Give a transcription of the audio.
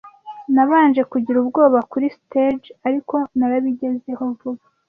Nabanje kugira ubwoba kuri stage, ariko narabigezeho vuba.